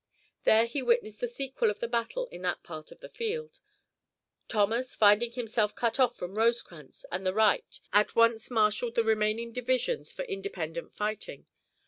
There he witnessed the sequel of the battle in that part of the field. Thomas, finding himself cut off from Rosecrans and the right, at once marshalled the remaining divisions for independent fighting.